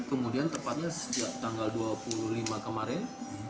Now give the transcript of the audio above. kemudian tepatnya sejak tanggal dua puluh lima kemarin